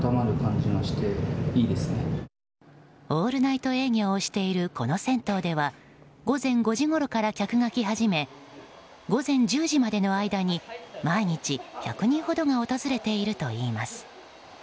オールナイト営業をしているこの銭湯では午前５時ごろから客が来始め午前１０時までの間に毎日、１００人ほどが訪れているといいます。